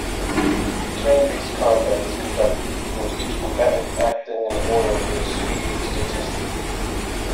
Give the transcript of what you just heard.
Turn-based combat is conducted, with each combatant acting in order of their speed statistic.